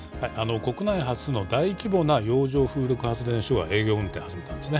国内初の大規模な洋上風力発電所が運転を始めたんですね。